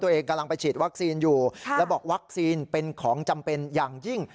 กำลังไปฉีดวัคซีนอยู่แล้วบอกวัคซีนเป็นของจำเป็นอย่างยิ่ง